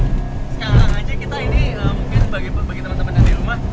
sekarang aja kita ini mungkin bagi teman teman yang di rumah